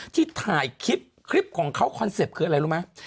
ที่ถ่ายคลิปคลิปของเขาคอนเซ็ปต์คืออะไรรู้ไหม